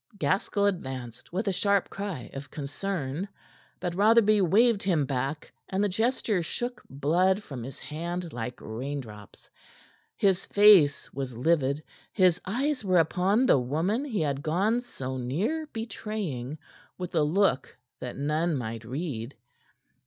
Gaskell advanced with a sharp cry of concern. But Rotherby waved him back, and the gesture shook blood from his hand like raindrops. His face was livid; his eyes were upon the woman he had gone so near betraying with a look that none might read.